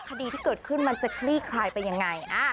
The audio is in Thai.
คดีที่เกิดขึ้นมันจะคลี่ขายเป็นอย่างไร